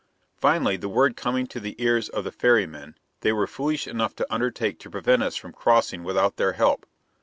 Finally, the word coming to the ears of the ferrymen, they were foolish enough to undertake to prevent us from crossing without their help.